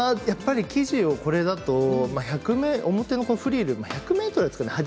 生地をこれだと表のフリル１００ｍですかね